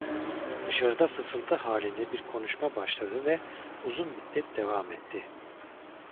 Dışarıda fısıltı halinde bir konuşma başladı ve uzun müddet devam etti.